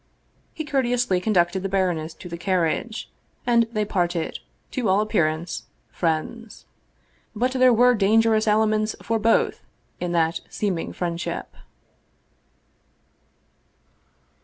He courteously conducted the baroness to the carriage, and they parted, to all appearance, friends. But there were dangerous elements for both in that seeming friend ship.